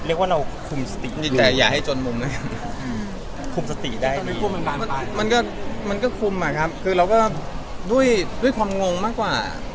เรียกว่าเราคุมสติดีกว่านะครับคุมสติได้ดีมันก็คุมอะครับคือเราก็ด้วยความงงมากกว่า